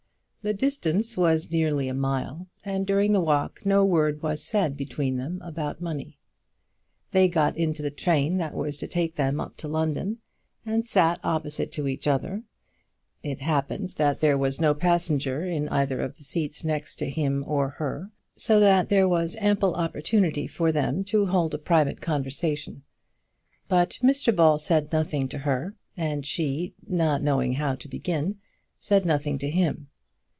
The distance was nearly a mile, and during the walk no word was said between them about the money. They got into the train that was to take them up to London, and sat opposite to each other. It happened that there was no passenger in either of the seats next to him or her, so that there was ample opportunity for them to hold a private conversation; but Mr Ball said nothing to her, and she, not knowing how to begin, said nothing to him.